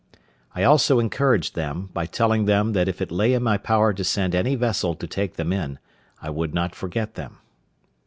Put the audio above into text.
I also encouraged them, by telling them that if it lay in my power to send any vessel to take them in, I would not forget them.